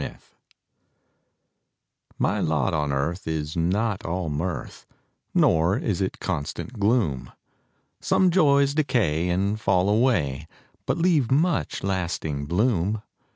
MY LOT My lot on earth is not all mirth, Nor is it constant gloom; Some joys decay and fall away, But leave much lasting bloom.